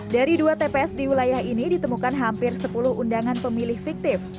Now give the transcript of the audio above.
dari dua tps di wilayah ini ditemukan hampir sepuluh undangan pemilih fiktif